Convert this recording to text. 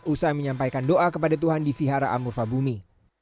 usah menyampaikan doa kepada tuhan di fihara amur fahbumi